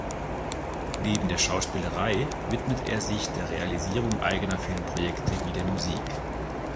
Neben der Schauspielerei widmet er sich der Realisierung eigener Filmprojekte wie der Musik.